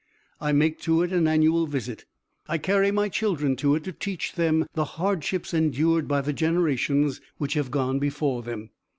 I make to it an annual visit. I carry my children to it to teach them the hardships endured by the generations which have gone before them.